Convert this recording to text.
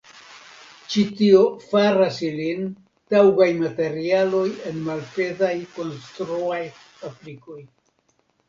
Ĉi tio faras ilin taŭgaj materialoj en malpezaj konstruaj aplikoj.